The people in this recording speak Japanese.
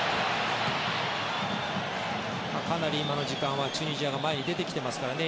かなり今の時間はチュニジアが前に出てきてますからね。